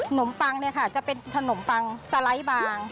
มปังเนี่ยค่ะจะเป็นขนมปังสไลด์บาง